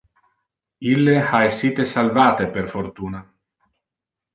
Ille ha essite salvate per fortuna.